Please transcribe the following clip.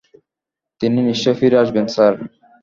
তিনি নিশ্চয়ই ফিরে আসবেন, স্যার।